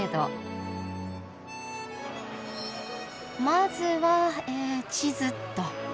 まずはえ地図っと。